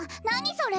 それ。